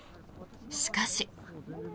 しかし。